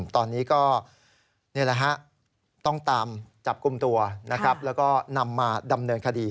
ตอนนี้ก็ต้องตามจับกลุ่มตัวแล้วก็นำมาดำเนินคดี